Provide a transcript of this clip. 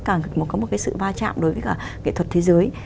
càng có một cái sự va chạm đối với cả nghệ thuật thế giới